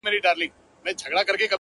هغه نجلۍ سندره نه غواړي ـ سندري غواړي ـ